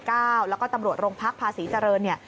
แล้วก็ตำรวจรงพลักษณ์ภาษีเจริญ